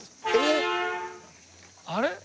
あれ？